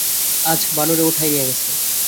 আজ ভানুরে উঠায় নিয়ে গেছে।